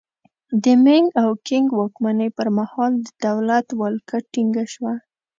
د مینګ او کینګ واکمنۍ پرمهال د دولت ولکه ټینګه شوه.